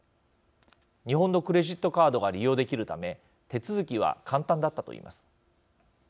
日本のクレジットカードが利用できるため手続きは簡単だったといいます。